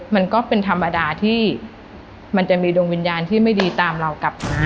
มันก็เป็นธรรมดาที่มันจะมีดวงวิญญาณที่ไม่ดีตามเรากลับมา